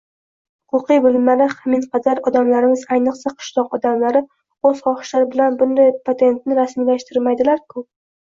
huquqiy bilimlari haminqadar odamlarimiz, ayniqsa, qishloq odamlari o‘z xohishlari bilan bunday patentni rasmiylashtirmaydilarku?